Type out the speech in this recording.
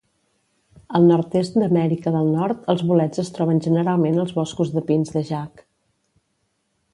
Al nord-est d'Amèrica del Nord, els bolets es troben generalment als boscos de pins de Jack.